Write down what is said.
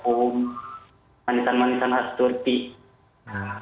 hanya sedikit variannya pak di sini tidak seperti di indonesia